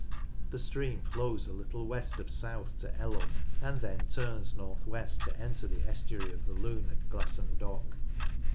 The stream flows a little west of south to Ellel, and then turns north west to enter the estuary of the Lune at Glasson Dock.